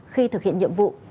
khi thực hiện nhiệm vụ